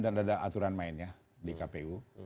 dan ada aturan lainnya di kpu